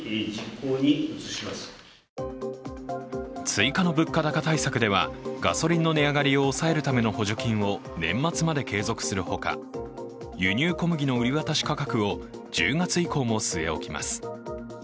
追加の物価高対策ではガソリンの値上がりを抑えるための補助金を年末まで継続するほか、輸入小麦の売り渡し価格を１０月以降も据え置きます。